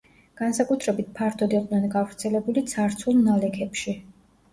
განსაკუთრებით ფართოდ იყვნენ გავრცელებული ცარცულ ნალექებში.